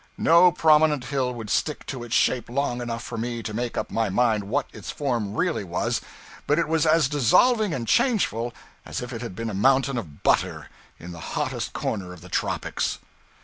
No prominent hill would stick to its shape long enough for me to make up my mind what its form really was, but it was as dissolving and changeful as if it had been a mountain of butter in the hottest corner of the tropics.